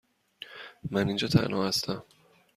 من اینجا تنها هستم.